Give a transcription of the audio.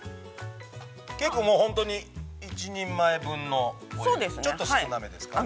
◆結構もう、本当に１人前分のちょっと少なめですかね。